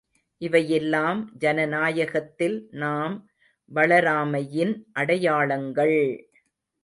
இவையெல்லாம் ஜனநாயகத்தில் நாம் வளராமையின் அடையாளங்கள்!